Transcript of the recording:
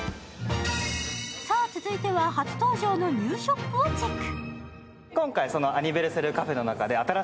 さあ、続いては初登場のニューショップをチェック。